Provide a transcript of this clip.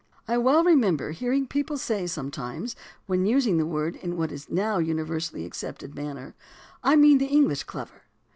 I well remember hearing people say sometimes when using the word in what is now the universally accepted manner, " I mean English clever."